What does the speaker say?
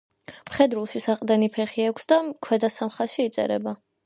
მხედრულში საყრდენი ფეხი აქვს და ქვედა სამ ხაზში იწერება.